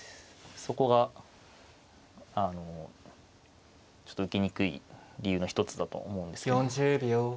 そこがあのちょっと受けにくい理由の一つだと思うんですけど。